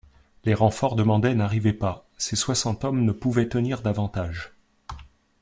Les renforts demandés n’arrivaient pas, ses soixante hommes ne pouvaient tenir davantage.